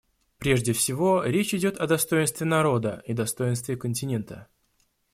Прежде всего, речь идет о достоинстве народа и достоинстве континента.